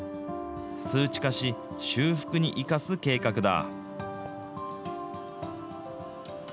数値化し、修復に生かす計画だ。